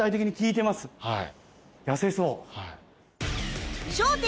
はい。